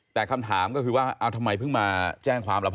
แต่คำถามก็คือว่าเอาทำไมเพิ่งมาแจ้งความ